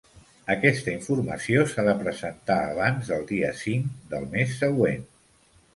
Aquesta informació s'ha de presentar abans del dia cinc del mes següent.